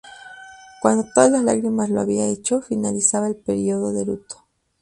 Cuando todas las lágrimas lo había hecho, finalizaba el periodo de luto.